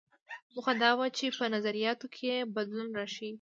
موخه دا وه چې په نظریاتو کې یې بدلون راشي.